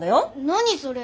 何それ。